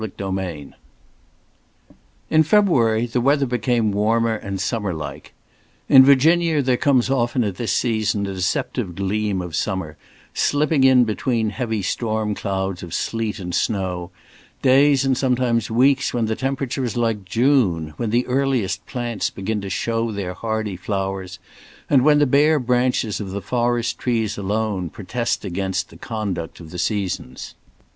Chapter VI IN February the weather became warmer and summer like. In Virginia there comes often at this season a deceptive gleam of summer, slipping in between heavy storm clouds of sleet and snow; days and sometimes weeks when the temperature is like June; when the earliest plants begin to show their hardy flowers, and when the bare branches of the forest trees alone protest against the conduct of the seasons.